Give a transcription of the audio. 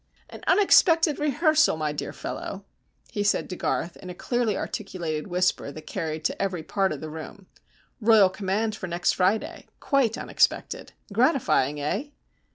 "An unexpected rehearsal, my dear fellow," he said to Garth in a clearly articulated whisper that carried to every part of the room, "Royal command for next Friday. Quite unexpected. Gratifying, eh?"